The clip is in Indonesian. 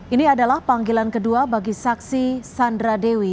ini adalah panggilan kedua bagi saksi sandra dewi